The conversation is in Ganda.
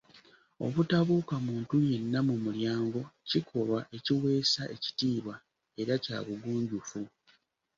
Obutabuuka muntu yenna mu mulyango kikolwa ekiweesa ekitiibwa era kya bugunjufu.